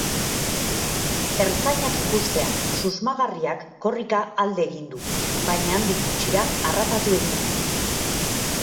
Ertzainak ikustean susmagarriak korrika alde egin du baina handik gutxira harrapatu egin du.